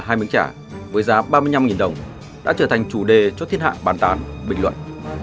hai miếng chả với giá ba mươi năm đồng đã trở thành chủ đề cho thiết hạng bàn tàn bình luận